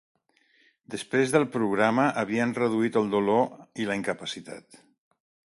Després del programa, havien reduït el dolor i la incapacitat.